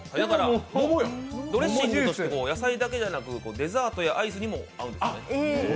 ドレッシングとして野菜だけじゃなく、デザートやアイスにも合うんですね。